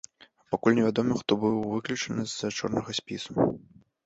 Пакуль невядома, хто быў выключаны з чорнага спісу.